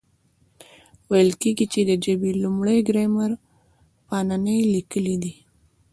ویل کېږي، چي د ژبي لومړی ګرامر پانني لیکلی دئ.